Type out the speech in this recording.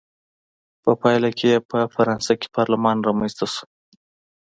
په پایله کې یې په فرانسه کې پارلمان رامنځته شو.